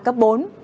ba cấp bốn